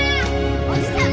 おじさん